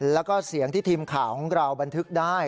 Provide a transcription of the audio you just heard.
แล้วก็เสียงที่ทีมข่าวของเราบันทึกได้